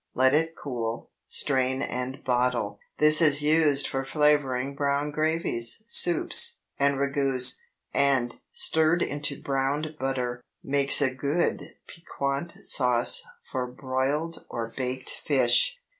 Let it cool; strain and bottle. This is used for flavoring brown gravies, soups, and ragoûts, and, stirred into browned butter, makes a good piquant sauce for broiled or baked fish.